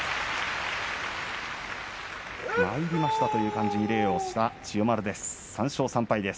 まいりましたというふうに礼をした千代丸です。